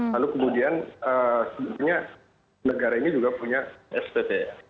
lalu kemudian sebetulnya negara ini juga punya spt